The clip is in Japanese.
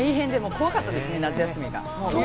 怖かったです、夏休みが。